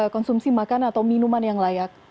konsumsi makan atau minuman yang layak